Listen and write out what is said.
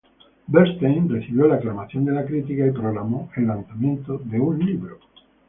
Bernstein recibió la aclamación de la crítica y programó el lanzamiento de un libro.